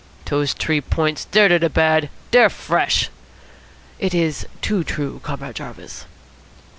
"Dose T'ree Points, dey're to de bad. Dey're fresh." "It is too true, Comrade Jarvis."